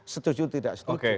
setuju tidak setuju